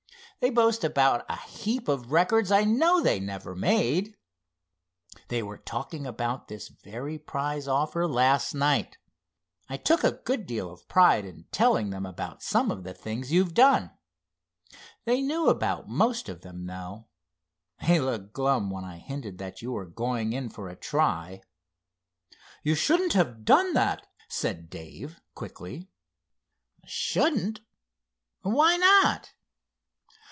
They boast about a heap of records I know they never made. They were talking about this very prize offer last night. I took a good deal of pride in telling them about some of the things you've done. They knew about most of them, though. They looked glum when I hinted that you were going in for a try." "You shouldn't have done that," said Dave, quickly. "Shouldn't—why not?"